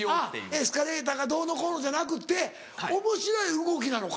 エスカレーターがどうのこうのじゃなくっておもしろい動きなのか。